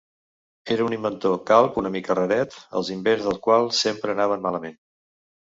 Era un inventor calb una mica raret, els invents del qual sempre anaven malament.